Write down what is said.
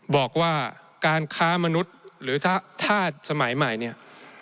บอกว่าการค้ามนุษย์หรือถ้าสมัยใหม่เนี่ย